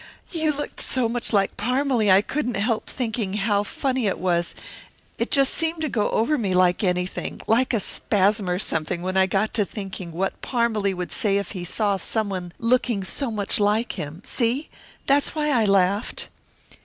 "You looked so much like Parmalee I just couldn't help thinking how funny it was it just seemed to go over me like anything, like a spasm or something, when I got to thinking what Parmalee would say if he saw someone looking so much like him. See? That was why I laughed."